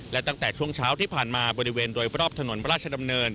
และตั้งแต่ช่วงเช้าที่ผ่านมาบริเวณโดยรอบถนนพระราชดำเนิน